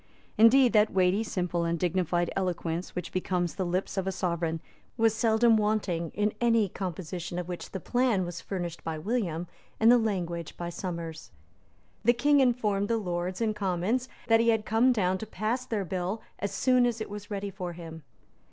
Indeed that weighty, simple and dignified eloquence which becomes the lips of a sovereign was seldom wanting in any composition of which the plan was furnished by William and the language by Somers. The King informed the Lords and Commons that he had come down to pass their bill as soon as it was ready for him.